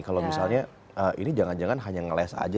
kalau misalnya ini jangan jangan hanya ngeles aja